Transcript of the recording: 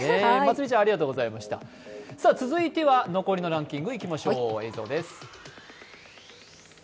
続いては残りのランキングいきましょう。